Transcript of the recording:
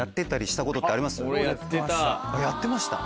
やってました？